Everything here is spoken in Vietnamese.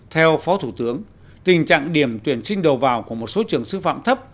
theo phó thủ tướng tình trạng điểm tuyển sinh đầu vào của một số trường sư phạm thấp